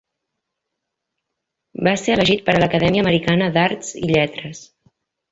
Va ser elegit per a l'Acadèmica Americana d'Arts i Lletres.